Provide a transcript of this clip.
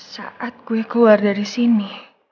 saat gue keluar dari sini